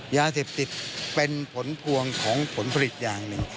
ยาเสพติดเป็นผลพวงของผลผลิตอย่างหนึ่ง